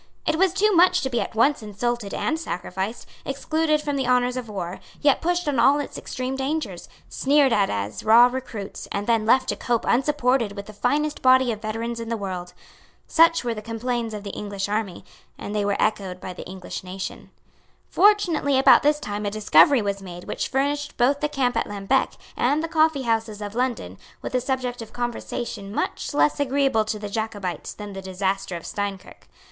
It was too much to be at once insulted and sacrificed, excluded from the honours of war, yet pushed on all its extreme dangers, sneered at as raw recruits, and then left to cope unsupported with the finest body of veterans in the world. Such were the complains of the English army; and they were echoed by the English nation. Fortunately about this time a discovery was made which furnished both the camp at Lambeque and the coffeehouses of London with a subject of conversation much less agreeable to the Jacobites than the disaster of Steinkirk.